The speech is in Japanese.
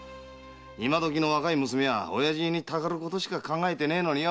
今どきの若い娘は親父にたかることしか考えてねえのに！